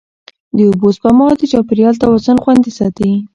د اوبو سپما د چاپېریال توازن خوندي ساتي.